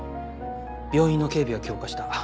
病院の警備は強化した。